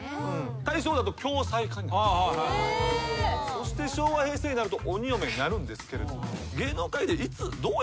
そして昭和平成になると鬼嫁になるんですけど芸能界で。